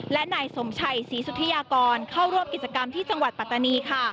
และนายสมชัยศรีสุธิยากรเข้าร่วมกิจกรรมที่จังหวัดปัตตานี